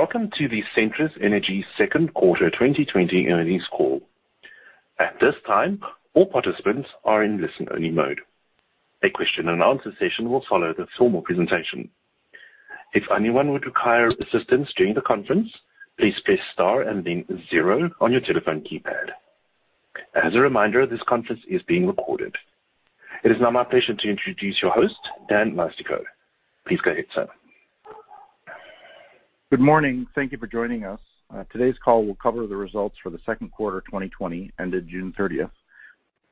Welcome to the Centrus Energy Second Quarter 2020 earnings call. At this time, all participants are in listen-only mode. A question-and-answer session will follow the formal presentation. If anyone would require assistance during the conference, please press star and then zero on your telephone keypad. As a reminder, this conference is being recorded. It is now my pleasure to introduce your host, Dan Leistikow. Please go ahead, sir. Good morning. Thank you for joining us. Today's call will cover the results for the second quarter 2020, ended June 30th.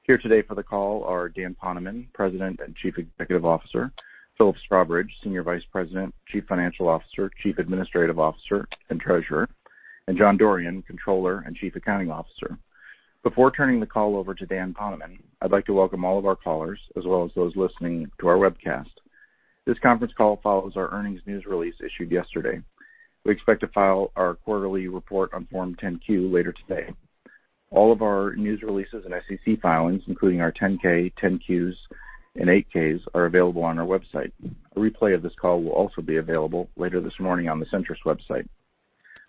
Here today for the call are Dan Poneman, President and Chief Executive Officer, Philip Strawbridge, Senior Vice President, Chief Financial Officer, Chief Administrative Officer, and Treasurer, and John Dorrian, Controller and Chief Accounting Officer. Before turning the call over to Dan Poneman, I'd like to welcome all of our callers, as well as those listening to our webcast. This conference call follows our earnings news release issued yesterday. We expect to file our quarterly report on Form 10-Q later today. All of our news releases and SEC filings, including our 10-K, 10-Qs, and 8-Ks, are available on our website. A replay of this call will also be available later this morning on the Centrus website.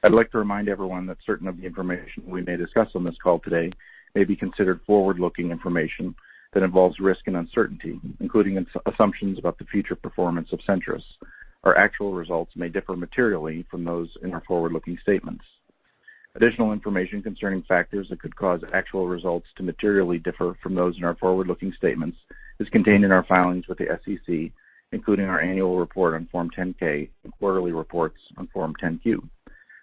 I'd like to remind everyone that certain of the information we may discuss on this call today may be considered forward-looking information that involves risk and uncertainty, including assumptions about the future performance of Centrus. Our actual results may differ materially from those in our forward-looking statements. Additional information concerning factors that could cause actual results to materially differ from those in our forward-looking statements is contained in our filings with the SEC, including our annual report on Form 10-K and quarterly reports on Form 10-Q.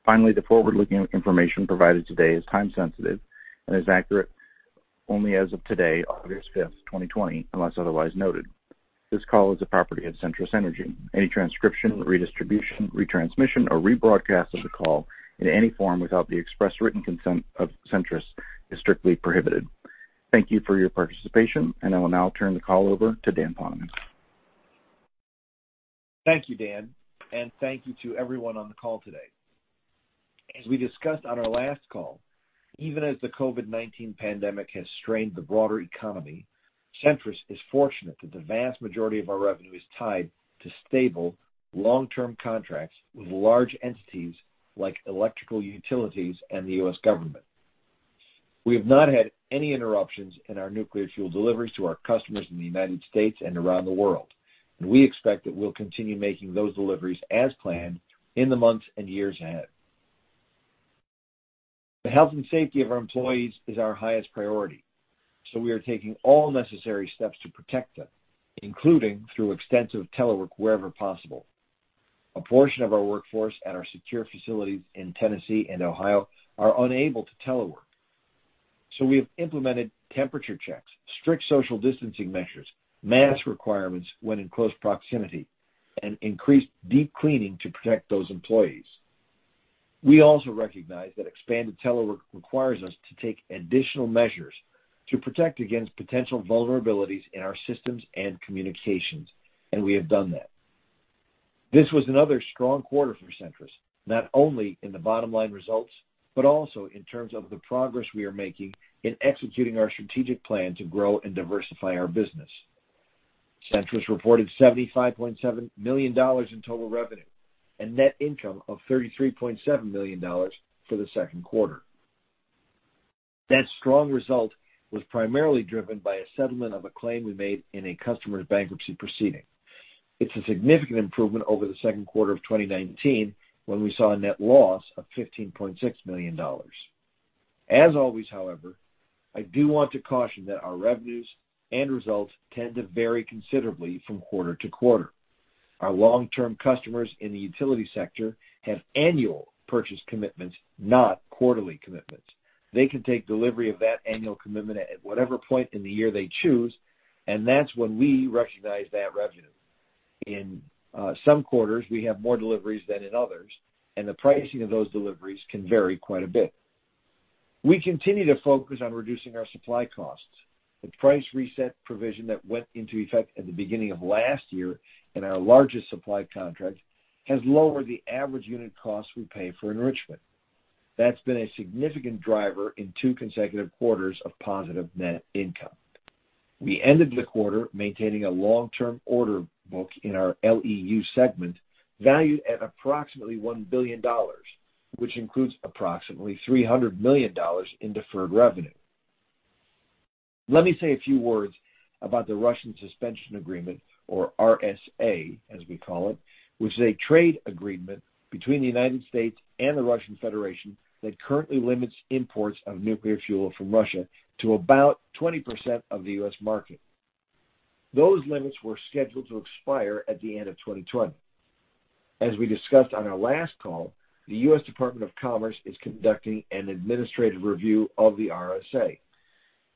Finally, the forward-looking information provided today is time-sensitive and is accurate only as of today, August 5th, 2020, unless otherwise noted. This call is the property of Centrus Energy. Any transcription, redistribution, retransmission, or rebroadcast of the call in any form without the express written consent of Centrus is strictly prohibited. Thank you for your participation, and I will now turn the call over to Dan Poneman. Thank you, Dan, and thank you to everyone on the call today. As we discussed on our last call, even as the COVID-19 pandemic has strained the broader economy, Centrus is fortunate that the vast majority of our revenue is tied to stable, long-term contracts with large entities like electrical utilities and the U.S. government. We have not had any interruptions in our nuclear fuel deliveries to our customers in the United States and around the world, and we expect that we'll continue making those deliveries as planned in the months and years ahead. The health and safety of our employees is our highest priority, so we are taking all necessary steps to protect them, including through extensive telework wherever possible. A portion of our workforce at our secure facilities in Tennessee and Ohio are unable to telework, so we have implemented temperature checks, strict social distancing measures, mask requirements when in close proximity, and increased deep cleaning to protect those employees. We also recognize that expanded telework requires us to take additional measures to protect against potential vulnerabilities in our systems and communications, and we have done that. This was another strong quarter for Centrus, not only in the bottom-line results but also in terms of the progress we are making in executing our strategic plan to grow and diversify our business. Centrus reported $75.7 million in total revenue and net income of $33.7 million for the second quarter. That strong result was primarily driven by a settlement of a claim we made in a customer's bankruptcy proceeding. It's a significant improvement over the second quarter of 2019 when we saw a net loss of $15.6 million. As always, however, I do want to caution that our revenues and results tend to vary considerably from quarter to quarter. Our long-term customers in the utility sector have annual purchase commitments, not quarterly commitments. They can take delivery of that annual commitment at whatever point in the year they choose, and that's when we recognize that revenue. In some quarters, we have more deliveries than in others, and the pricing of those deliveries can vary quite a bit. We continue to focus on reducing our supply costs. The price reset provision that went into effect at the beginning of last year in our largest supply contract has lowered the average unit cost we pay for enrichment. That's been a significant driver in two consecutive quarters of positive net income. We ended the quarter maintaining a long-term order book in our LEU segment valued at approximately $1 billion, which includes approximately $300 million in deferred revenue. Let me say a few words about the Russian Suspension Agreement, or RSA, as we call it, which is a trade agreement between the United States and the Russian Federation that currently limits imports of nuclear fuel from Russia to about 20% of the U.S. market. Those limits were scheduled to expire at the end of 2020. As we discussed on our last call, the U.S. Department of Commerce is conducting an administrative review of the RSA.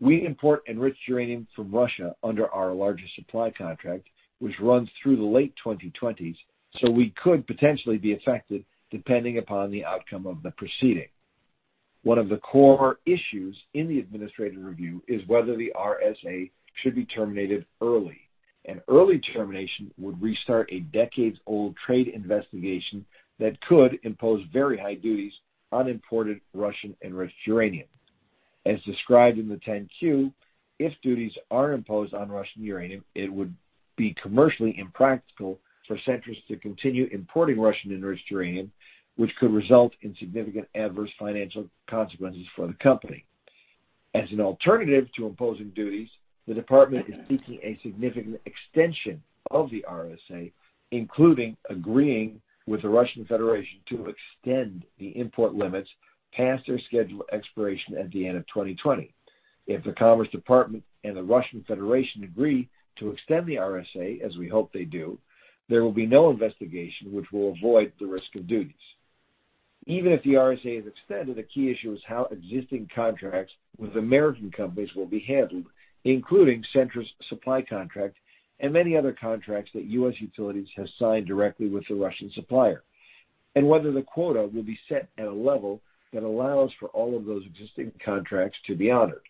We import enriched uranium from Russia under our largest supply contract, which runs through the late 2020s, so we could potentially be affected depending upon the outcome of the proceeding. One of the core issues in the administrative review is whether the RSA should be terminated early. An early termination would restart a decades-old trade investigation that could impose very high duties on imported Russian enriched uranium. As described in the 10-Q, if duties are imposed on Russian uranium, it would be commercially impractical for Centrus to continue importing Russian enriched uranium, which could result in significant adverse financial consequences for the company. As an alternative to imposing duties, the department is seeking a significant extension of the RSA, including agreeing with the Russian Federation to extend the import limits past their scheduled expiration at the end of 2020. If the Commerce Department and the Russian Federation agree to extend the RSA, as we hope they do, there will be no investigation which will avoid the risk of duties. Even if the RSA is extended, the key issue is how existing contracts with American companies will be handled, including Centrus' supply contract and many other contracts that U.S. utilities have signed directly with the Russian supplier, and whether the quota will be set at a level that allows for all of those existing contracts to be honored.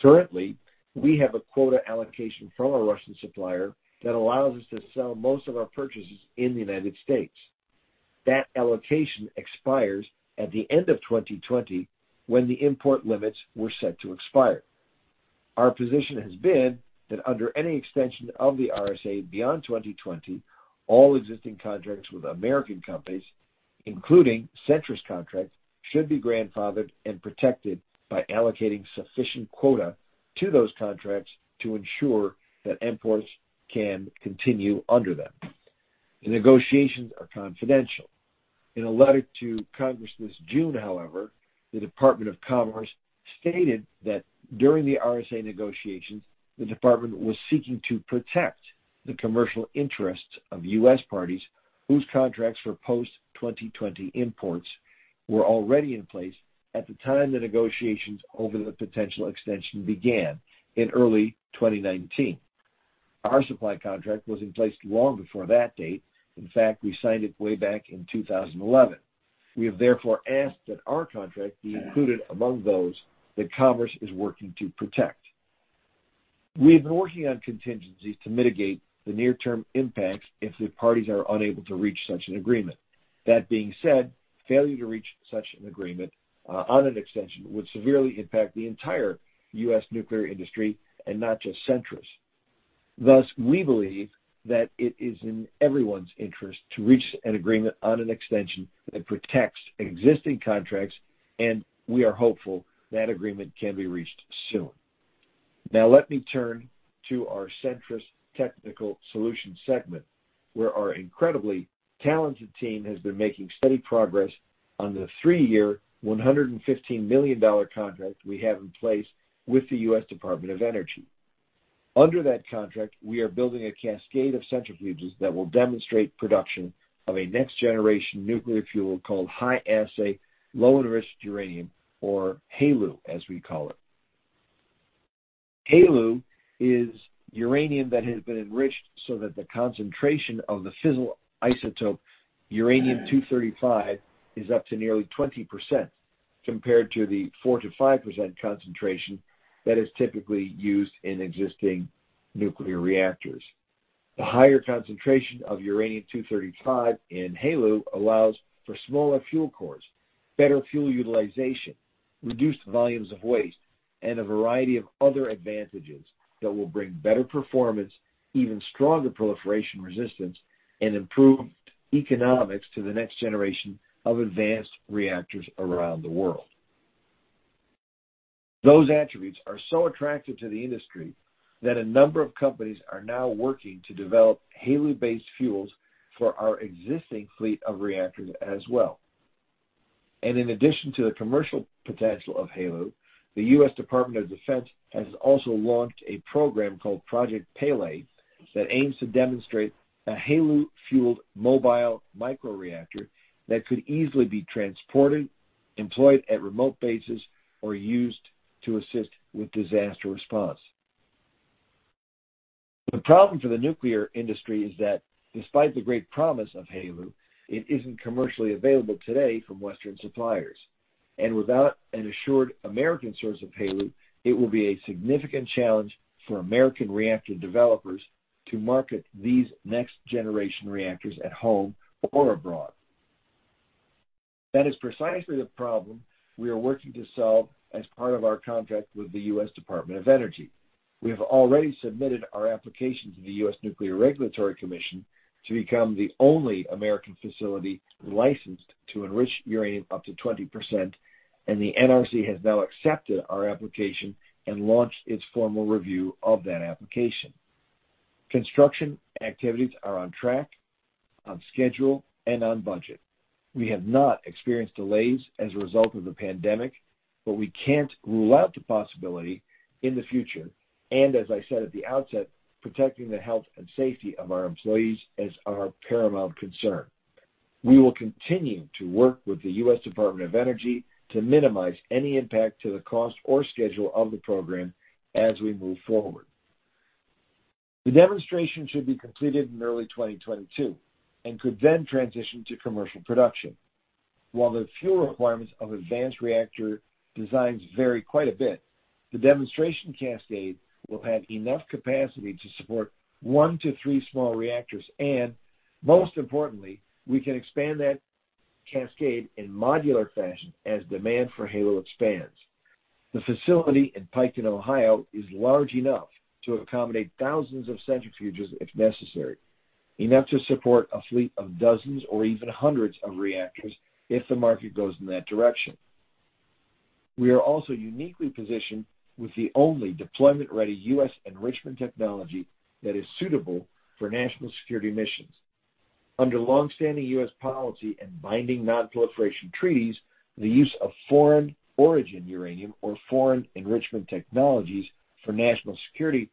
Currently, we have a quota allocation from a Russian supplier that allows us to sell most of our purchases in the United States. That allocation expires at the end of 2020 when the import limits were set to expire. Our position has been that under any extension of the RSA beyond 2020, all existing contracts with American companies, including Centrus' contracts, should be grandfathered and protected by allocating sufficient quota to those contracts to ensure that imports can continue under them. The negotiations are confidential. In a letter to congress this June, however, the Department of Commerce stated that during the RSA negotiations, the department was seeking to protect the commercial interests of U.S. parties whose contracts for post-2020 imports were already in place at the time the negotiations over the potential extension began in early 2019. Our supply contract was in place long before that date. In fact, we signed it way back in 2011. We have therefore asked that our contract be included among those that Commerce is working to protect. We have been working on contingencies to mitigate the near-term impacts if the parties are unable to reach such an agreement. That being said, failure to reach such an agreement on an extension would severely impact the entire U.S. nuclear industry and not just Centrus. Thus, we believe that it is in everyone's interest to reach an agreement on an extension that protects existing contracts, and we are hopeful that agreement can be reached soon. Now, let me turn to our Centrus Technical Solutions segment, where our incredibly talented team has been making steady progress on the three-year, $115 million contract we have in place with the U.S. Department of Energy. Under that contract, we are building a cascade of centrifuges that will demonstrate production of a next-generation nuclear fuel called high-assay, low-enriched uranium, or HALEU, as we call it. HALEU is uranium that has been enriched so that the concentration of the fissile isotope U-235 is up to nearly 20% compared to the 4%-5% concentration that is typically used in existing nuclear reactors. The higher concentration of U-235 in HALEU allows for smaller fuel cores, better fuel utilization, reduced volumes of waste, and a variety of other advantages that will bring better performance, even stronger proliferation resistance, and improved economics to the next generation of advanced reactors around the world. Those attributes are so attractive to the industry that a number of companies are now working to develop HALEU-based fuels for our existing fleet of reactors as well. And in addition to the commercial potential of HALEU, the U.S. Department of Defense has also launched a program called Project Pele that aims to demonstrate a HALEU-fueled mobile microreactor that could easily be transported, employed at remote bases, or used to assist with disaster response. The problem for the nuclear industry is that, despite the great promise of HALEU, it isn't commercially available today from Western suppliers. And without an assured American source of HALEU, it will be a significant challenge for American reactor developers to market these next-generation reactors at home or abroad. That is precisely the problem we are working to solve as part of our contract with the U.S. Department of Energy. We have already submitted our application to the U.S. Nuclear Regulatory Commission to become the only American facility licensed to enrich uranium up to 20%, and the NRC has now accepted our application and launched its formal review of that application. Construction activities are on track, on schedule, and on budget. We have not experienced delays as a result of the pandemic, but we can't rule out the possibility in the future, and as I said at the outset, protecting the health and safety of our employees is our paramount concern. We will continue to work with the U.S. Department of Energy to minimize any impact to the cost or schedule of the program as we move forward. The demonstration should be completed in early 2022 and could then transition to commercial production. While the fuel requirements of advanced reactor designs vary quite a bit, the demonstration cascade will have enough capacity to support one to three small reactors, and most importantly, we can expand that cascade in modular fashion as demand for HALEU expands. The facility in Piketon, Ohio, is large enough to accommodate thousands of centrifuges if necessary, enough to support a fleet of dozens or even hundreds of reactors if the market goes in that direction. We are also uniquely positioned with the only deployment-ready U.S. enrichment technology that is suitable for national security missions. Under longstanding U.S. policy and binding non-proliferation treaties, the use of foreign-origin uranium or foreign enrichment technologies for national security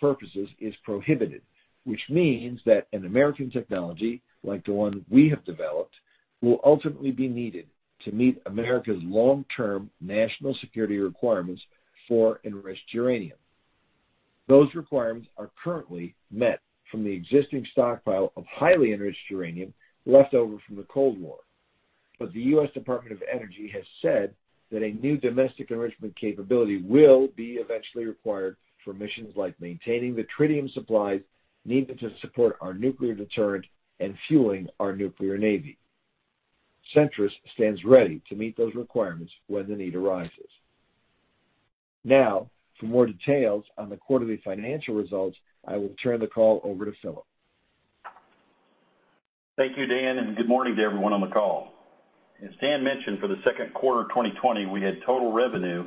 purposes is prohibited, which means that an American technology, like the one we have developed, will ultimately be needed to meet America's long-term national security requirements for enriched uranium. Those requirements are currently met from the existing stockpile of highly enriched uranium left over from the Cold War, but the U.S. Department of Energy has said that a new domestic enrichment capability will be eventually required for missions like maintaining the tritium supplies needed to support our nuclear deterrent and fueling our nuclear navy. Centrus stands ready to meet those requirements when the need arises. Now, for more details on the quarterly financial results, I will turn the call over to Philip. Thank you, Dan, and good morning to everyone on the call. As Dan mentioned, for the second quarter of 2020, we had total revenue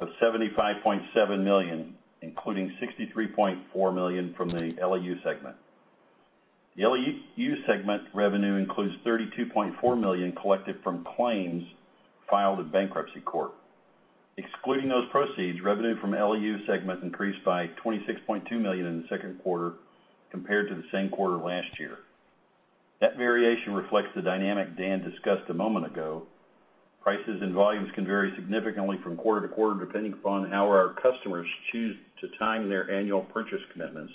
of $75.7 million, including $63.4 million from the LEU segment. The LEU segment revenue includes $32.4 million collected from claims filed in bankruptcy court. Excluding those proceeds, revenue from the LEU segment increased by $26.2 million in the second quarter compared to the same quarter last year. That variation reflects the dynamic Dan discussed a moment ago. Prices and volumes can vary significantly from quarter to quarter depending upon how our customers choose to time their annual purchase commitments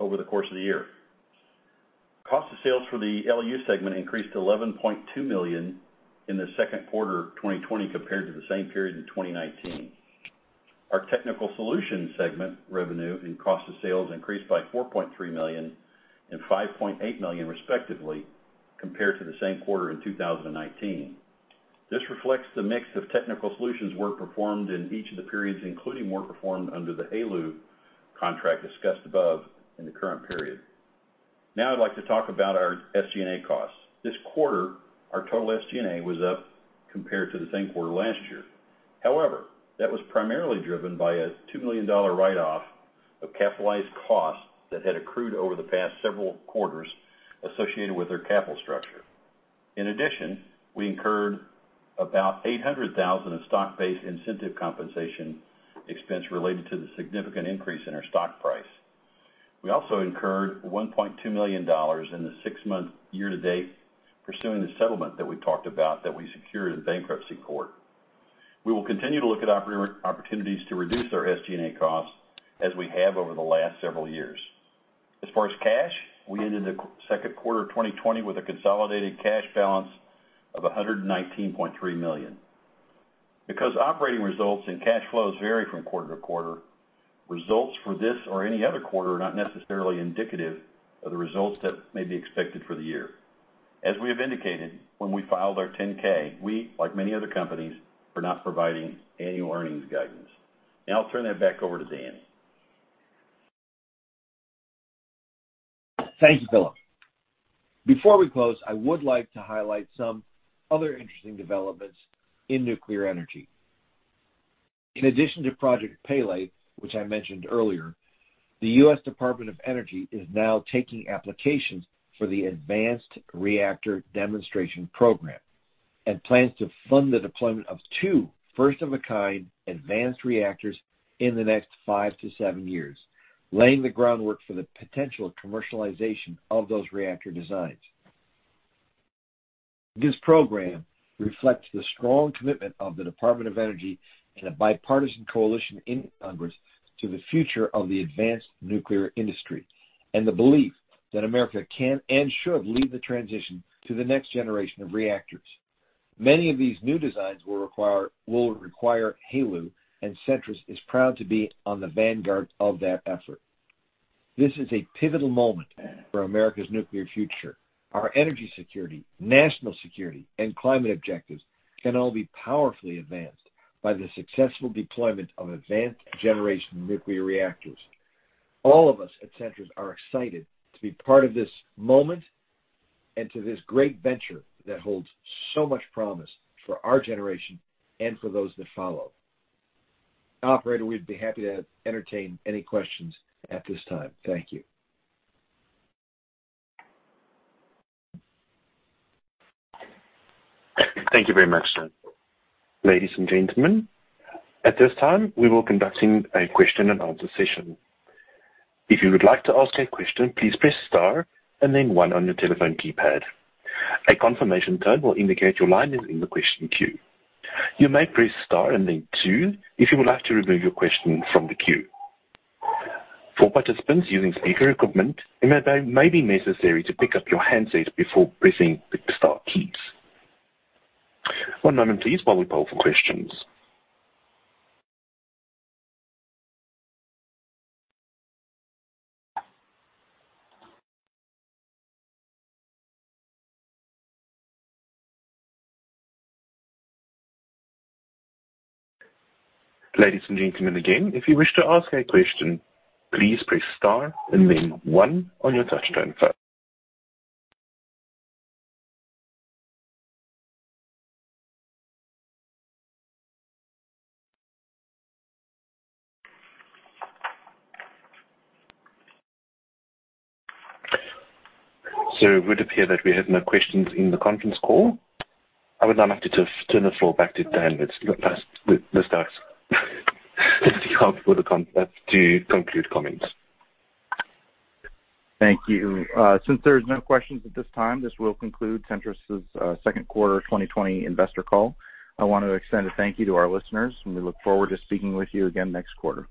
over the course of the year. Cost of sales for the LEU segment increased $11.2 million in the second quarter of 2020 compared to the same period in 2019. Our Technical Solutions segment revenue and cost of sales increased by $4.3 million and $5.8 million, respectively, compared to the same quarter in 2019. This reflects the mix of technical solutions work performed in each of the periods, including work performed under the HALEU contract discussed above in the current period. Now, I'd like to talk about our SG&A costs. This quarter, our total SG&A was up compared to the same quarter last year. However, that was primarily driven by a $2 million write-off of capitalized costs that had accrued over the past several quarters associated with our capital structure. In addition, we incurred about $800,000 in stock-based incentive compensation expense related to the significant increase in our stock price. We also incurred $1.2 million in the six-month year-to-date pursuing the settlement that we talked about that we secured in bankruptcy court. We will continue to look at opportunities to reduce our SG&A costs as we have over the last several years. As far as cash, we ended the second quarter of 2020 with a consolidated cash balance of $119.3 million. Because operating results and cash flows vary from quarter to quarter, results for this or any other quarter are not necessarily indicative of the results that may be expected for the year. As we have indicated, when we filed our 10-K, we, like many other companies, are not providing annual earnings guidance. Now, I'll turn that back over to Dan. Thank you, Philip. Before we close, I would like to highlight some other interesting developments in nuclear energy. In addition to Project Pele, which I mentioned earlier, the U.S. Department of Energy is now taking applications for the Advanced Reactor Demonstration Program and plans to fund the deployment of two first-of-a-kind advanced reactors in the next five-to-seven years, laying the groundwork for the potential commercialization of those reactor designs. This program reflects the strong commitment of the Department of Energy and a bipartisan coalition in Congress to the future of the advanced nuclear industry and the belief that America can and should lead the transition to the next generation of reactors. Many of these new designs will require HALEU, and Centrus is proud to be on the vanguard of that effort. This is a pivotal moment for America's nuclear future. Our energy security, national security, and climate objectives can all be powerfully advanced by the successful deployment of advanced-generation nuclear reactors. All of us at Centrus are excited to be part of this moment and to this great venture that holds so much promise for our generation and for those that follow. Operator, we'd be happy to entertain any questions at this time. Thank you. Thank you very much, sir. Ladies and gentlemen, at this time, we will be conducting a question-and-answer session. If you would like to ask a question, please press star and then one on your telephone keypad. A confirmation tone will indicate your line is in the question queue. You may press star and then two if you would like to remove your question from the queue. For participants using speaker equipment, it may be necessary to pick up your handset before pressing the star key. One moment, please, while we poll for questions. Ladies and gentlemen, again, if you wish to ask a question, please press star and then one on your touchtone phone. So it would appear that we have no questions in the conference call. I would now like to turn the floor back to Dan Poneman. Let's start to conclude comments. Thank you. Since there are no questions at this time, this will conclude Centrus's second quarter 2020 investor call. I want to extend a thank you to our listeners, and we look forward to speaking with you again next quarter.